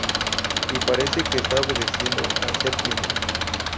Y parece que está obedeciendo a Septimus.